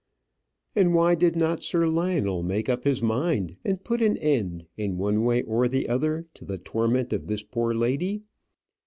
And why did not Sir Lionel make up his mind and put an end, in one way or the other, to the torment of this poor lady?